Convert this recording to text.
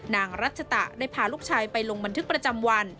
นางรัชตะได้พาลูกชายไปลงบันทึกประจำวัน